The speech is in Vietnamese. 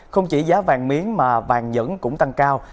không chỉ giá vàng miếng mà vàng nhẫn cũng tăng cao